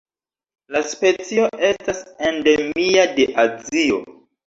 La specio estas endemia de Azio.